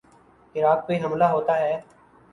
عراق پہ حملہ ہوتا ہے۔